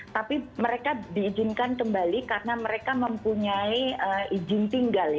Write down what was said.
tapi mereka diizinkan kembali karena mereka mempunyai izin tinggal